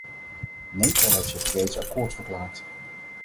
Nepal heeft zich reeds akkoord verklaard.